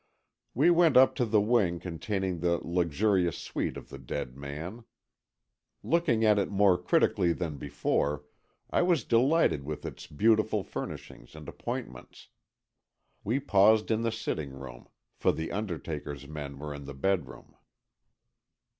We went up to the wing containing the luxurious suite of the dead man. Looking at it more critically than before, I was delighted with its beautiful furnishings and appointments. We paused in the sitting room, for the undertaker's men were in the bedroom.